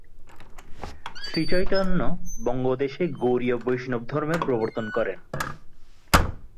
শ্রীচৈতন্য বঙ্গদেশে গৌড়ীয় বৈষ্ণবধর্মের প্রবর্তন করেন।